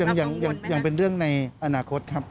อันนั้นยังเป็นเรื่องในอนาคตครับ